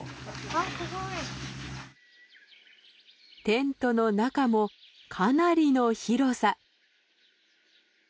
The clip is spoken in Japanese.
テントの中もかなりの広さ。